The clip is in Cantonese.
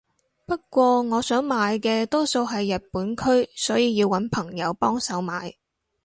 不過我想買嘅多數係日本區所以要搵朋友幫手買